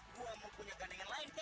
gua mau punya ganda yang lain ya